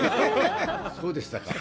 そうでしたか。